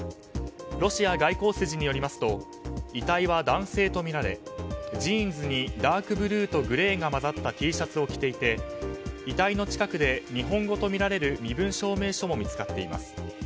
ロシア外交筋によりますと遺体は男性とみられ、ジーンズにダークブルーとグレーが混ざったＴシャツを着ていて遺体の近くで日本語とみられる身分証明書も見つかっています。